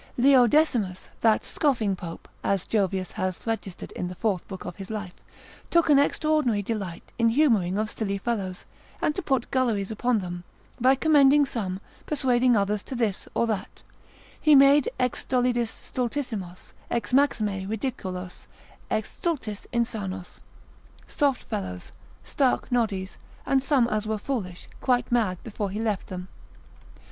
Leo Decimus, that scoffing pope, as Jovius hath registered in the Fourth book of his life, took an extraordinary delight in humouring of silly fellows, and to put gulleries upon them, by commending some, persuading others to this or that: he made ex stolidis stultissimos, et maxime ridiculos, ex stultis insanos; soft fellows, stark noddies; and such as were foolish, quite mad before he left them.